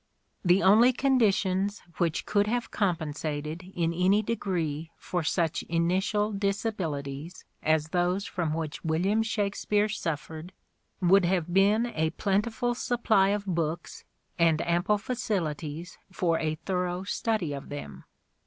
The only conditions which could have compensated in any degree for such initial disabilities as those from which William Shakspere suffered would have been a plentiful supply of books and ample facilities for a thorough study of them.